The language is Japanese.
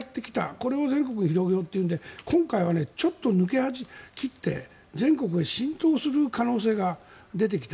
これを全国に広げようというので今回は抜け切って全国へ浸透する可能性が出てきた。